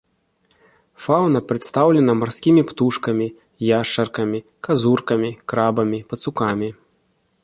Фаўна прадстаўлена марскімі птушкамі, яшчаркамі, казуркамі, крабамі, пацукамі.